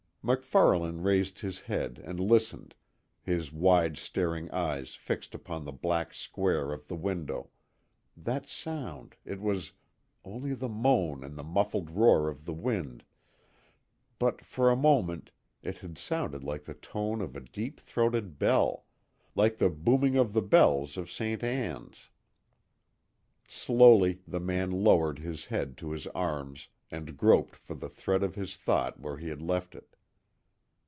MacFarlane raised his head and listened, his wide staring eyes fixed upon the black square of the window that sound it was only the moan and the muffled roar of the wind but, for a moment it had sounded like the tone of a deep throated bell like the booming of the bells of Ste. Anne's. Slowly the man lowered his head to his arms and groped for the thread of his thought where he had left it.